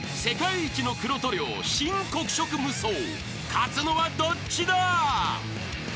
［勝つのはどっちだ？］